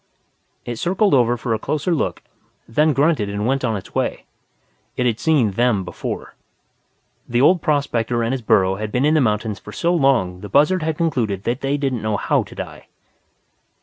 It circled over for a closer look, then grunted and went on its way. It had seen them before. The old prospector and his burro had been in the mountains for so long the buzzard had concluded they didn't know how to die.